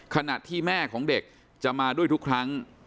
ขณะที่แม่ของเด็กจะมาด้วยทุกครั้ง